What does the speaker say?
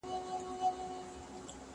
دا قلمان له هغو ښايسته دي!